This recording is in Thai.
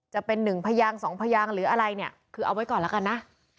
จะเป็น๑พยาง๒พยางหรืออะไรเนี่ยคือเอาไว้ก่อนแล้วกันนะ